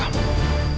dan aku merasa